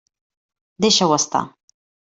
Deixa-ho estar.